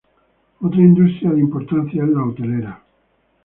Otra industria de importancia es la Hotelera.